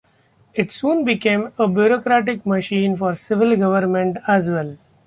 It soon became a bureaucratic machine for civil government as well.